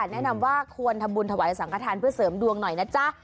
แนะนำว่าควรทำบุญถวายสังขทานเพื่อเสริมดวงหน่อยนะจ๊ะ